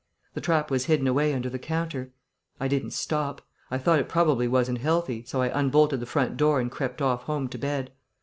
The trap was hidden away under the counter. I didn't stop; I thought it probably wasn't healthy, so I unbolted the front door and crept off home to bed.